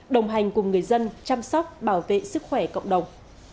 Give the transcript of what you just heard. đồng hành cùng người dân chăm sóc bảo vệ sức khỏe cộng đồng